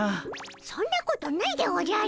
そんなことないでおじゃる。